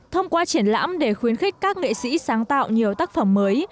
thông qua triển lãm để khuyến khích các nghệ sĩ sáng tạo nhiều tác phẩm mới